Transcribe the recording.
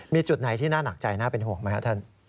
มีจุดไหนที่น่าหนักใจน่าเป็นห่วงไหมครับท่าน